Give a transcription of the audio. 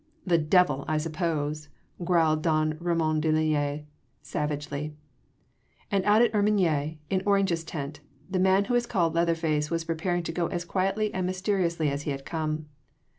"The devil, I suppose," growled don Ramon de Linea savagely. And out at Hermigny in Orange’s tent the man who was called Leatherface was preparing to go as quietly and mysteriously as he had come.